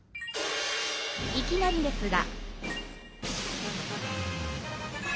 いきなりですが。